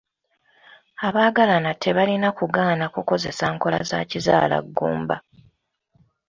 Abagalana tebalina kugaana kukozesa nkola za kizaalaggumba.